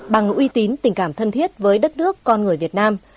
bằng uy tín tình cảm thân thiết với đất nước con người việt nam